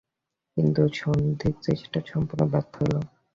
কিন্তু সন্ধির চেষ্টা সম্পূর্ণ ব্যর্থ হইল।